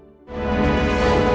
kampung dongeng indonesia